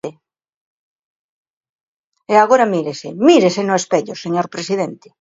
E agora mírese, mírese no espello, señor presidente.